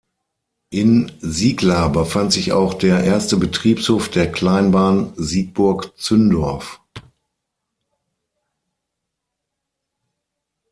In Sieglar befand sich auch der erste Betriebshof der Kleinbahn Siegburg–Zündorf.